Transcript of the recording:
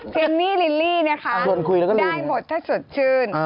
เมมี่ลิลลี่นะคะได้หมดถ้าสดชื่น